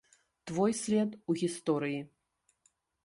Твой след у гісторыі!